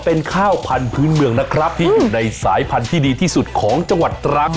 เป็นข้าวพันธุ์เมืองนะครับที่อยู่ในสายพันธุ์ที่ดีที่สุดของจังหวัดตรัง